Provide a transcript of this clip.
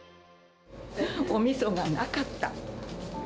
おみそがなかった！